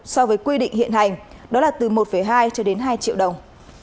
so với quy định hiện hành đó là từ một hai cho đến hai triệu đồng